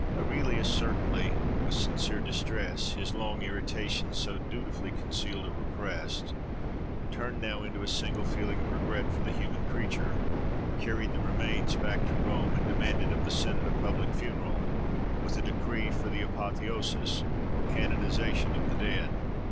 Aurelius, certainly, with sincere distress, his long irritations, so dutifully concealed or repressed, turning now into a single feeling of regret for the human creature, carried the remains back to Rome, and demanded of the Senate a public funeral, with a decree for the apotheôsis, or canonisation, of the dead.